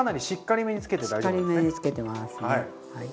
しっかりめにつけてますね。